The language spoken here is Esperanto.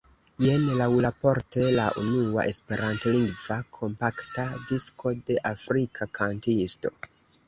Jen laŭraporte la unua Esperantlingva kompakta disko de afrika kantisto.